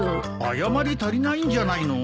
謝り足りないんじゃないの？